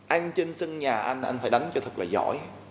anh trên sân nhà anh anh phải đánh cho thật là giỏi